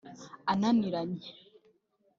ananiranye